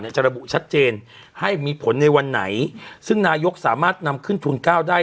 จะระบุชัดเจนให้มีผลในวันไหนซึ่งนายกสามารถนำขึ้นทุนเก้าได้